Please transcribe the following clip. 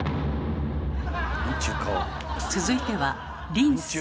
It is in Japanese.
続いてはリンス。